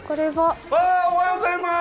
おはようございます！